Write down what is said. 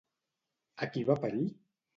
A qui va parir?